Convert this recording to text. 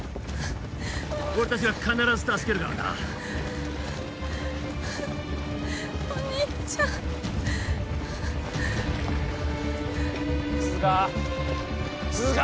俺達が必ず助けるからなお兄ちゃん涼香涼香！